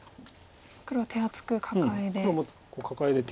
黒は手厚くカカエで。